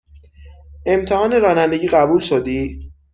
امتحان رانندگی قبول شدی؟